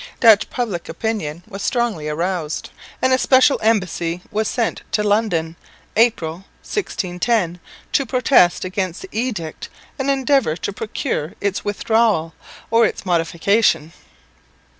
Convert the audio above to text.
Dutch public opinion was strongly aroused and a special embassy was sent to London, April, 1610, to protest against the edict and endeavour to procure its withdrawal or its modification.